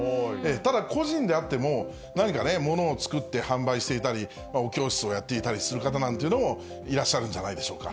ただ、個人であっても、何かね、ものを作って販売していたり、お教室をやっている方なんていうのもいらっしゃるんじゃないでしょうか。